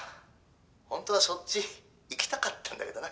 本当はそっち行きたかったんだけどな」